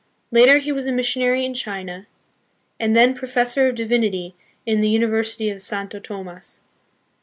Later he was a missionary in China, and then Professor of Divinity in the University of Santo Tomas.